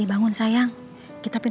itu sudah tiba saat kita selesai